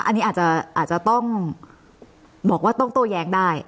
อันนี้อาจจะต้องบอกว่าต้องโต้แย้งได้